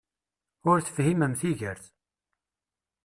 Ur tefhimem tigert!